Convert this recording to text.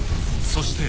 そして］